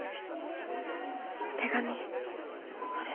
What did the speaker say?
手紙あれ！？